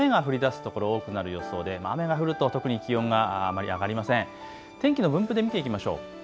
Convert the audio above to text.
それも次第に雨が降りだす所多くなる予想で雨が降ると特に気温があまり上がりません。